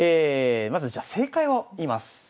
まずじゃあ正解を言います。